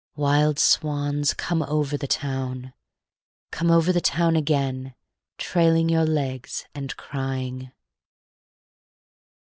Wild swans, come over the town, come over The town again, trailing your legs and crying!